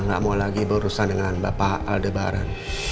gak mau lagi berurusan dengan bapak al de bareng